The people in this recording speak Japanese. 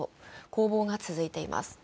攻防が続いています。